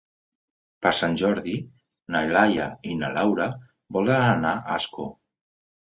Per Sant Jordi na Laia i na Laura volen anar a Ascó.